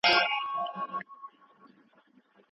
اسلام د سولې او ورورولۍ دین دی.